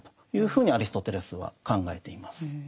ふうにアリストテレスは考えています。